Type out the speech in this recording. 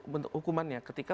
bentuk hukumannya ketika